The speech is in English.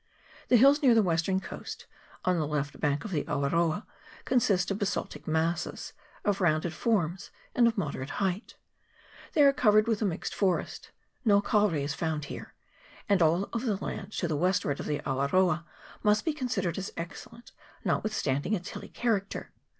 The hills near the western coast, on the left bank of the Awaroa, consist of basaltic masses, of rounded forms and of moderate height. They are covered with a mixed forest ; no kauri is found there ; and all the land to the westward of the Awaroa must be considered as excellent, notwithstanding its hilly character.